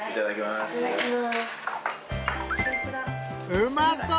うまそう！